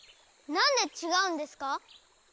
何で違うんですか？